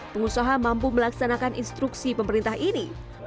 pengusaha mampu melaksanakan instruksi pemerintah ini